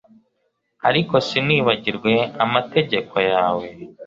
ariko sinibagirwe amategeko yawe